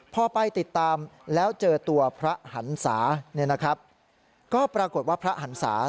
พ่อไปติดตามแล้วเจอตัวพระหันศาเนี่ยนะครับก็ปรากฏว่าพระหันศา